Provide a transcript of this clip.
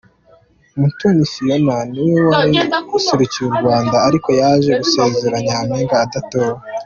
Muthoni Fiona ni we wari userukiye u Rwanda ariko yaje gusezera Nyampinga adatowe.